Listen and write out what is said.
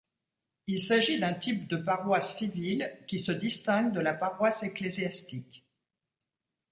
Il s'agit d'un type de paroisse civile, qui se distingue de la paroisse ecclésiastique.